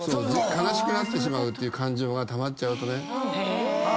悲しくなってしまう感情たまっちゃうとね。